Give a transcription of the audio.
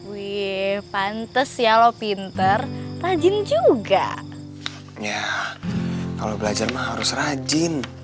wih pantes ya lo pinter rajin juga ya kalau belajar mah harus rajin